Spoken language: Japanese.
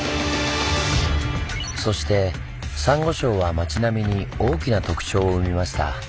そしてサンゴ礁は町並みに大きな特徴を生みました。